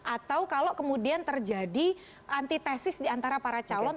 atau kalau kemudian terjadi antitesis di antara para calon